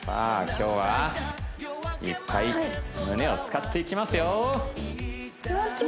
今日はいっぱい胸を使っていきますよさあ